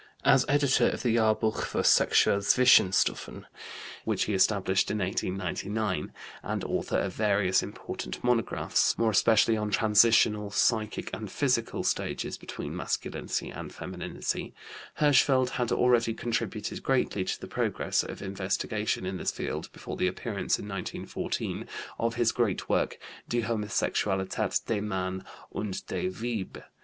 As editor of the Jahrbuch für sexuelle Zwischenstufen, which he established in 1899, and author of various important monographs more especially on transitional psychic and physical stages between masculinity and femininity Hirschfeld had already contributed greatly to the progress of investigation in this field before the appearance in 1914 of his great work, Die Homosexualität des Mannes und des Weibes.